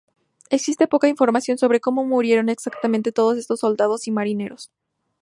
Existe poca información sobre cómo murieron exactamente todos estos soldados y marineros.